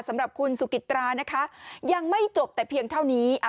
สำหรับคุณสุกิตรานะคะยังไม่จบแต่เพียงเท่านี้